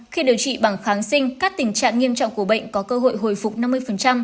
khi điều trị bằng kháng sinh các tình trạng nghiêm trọng của bệnh có cơ hội hồi phục năm mươi